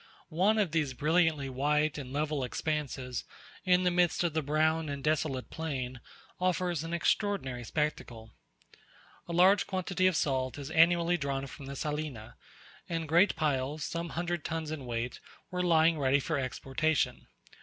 One of these brilliantly white and level expanses in the midst of the brown and desolate plain, offers an extraordinary spectacle. A large quantity of salt is annually drawn from the salina: and great piles, some hundred tons in weight, were lying ready for exportation.